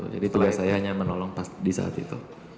jadi ternyata saya hanya menolong di saat itu